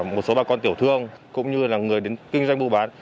một số bà con tiểu thương cũng như là người đến kinh doanh mua bán